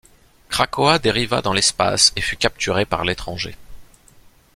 Krakoa dériva dans l'espace et fut capturé par lÉtranger.